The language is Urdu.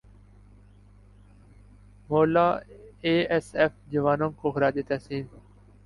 مولا اے ایس ایف جوانوں کو خراج تحسین